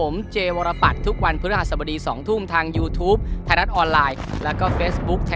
มันก็เลยทำเป็นอาชีพได้